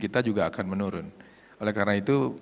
kita juga akan menurun oleh karena itu